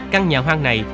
căn nhà hoang này